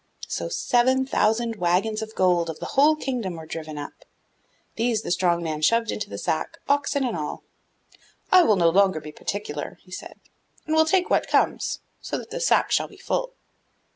So seven thousand waggons of the gold of the whole kingdom were driven up; these the strong man shoved into the sack, oxen and all. 'I will no longer be particular,' he said, 'and will take what comes, so that the sack shall be full.